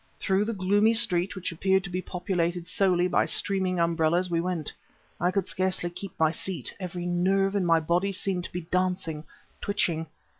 Through the gloomy street, which appeared to be populated solely by streaming umbrellas, we went. I could scarcely keep my seat; every nerve in my body seemed to be dancing twitching.